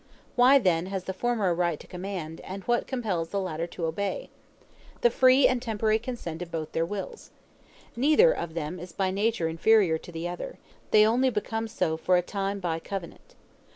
Why then has the former a right to command, and what compels the latter to obey? the free and temporary consent of both their wills. Neither of them is by nature inferior to the other; they only become so for a time by covenant.